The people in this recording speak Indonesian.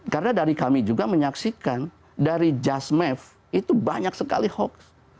karena dari kami juga menyaksikan dari justmaf itu banyak sekali hoax